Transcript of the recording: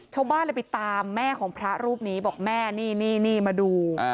ชาวบ้านเลยไปตามแม่ของพระรูปนี้บอกแม่นี่มาดู